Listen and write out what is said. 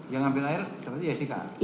yang ambil air seperti jessica